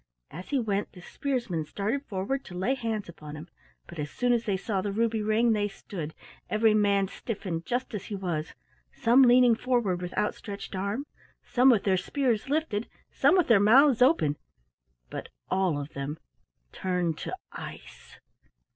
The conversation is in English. As he went, the spearsmen started forward to lay hands upon him, but as soon as they saw the ruby ring they stood, every man stiffened just as he was, some leaning forward with outstretched arm, some with their spears lifted, some with their mouths open, but all of them turned to ice.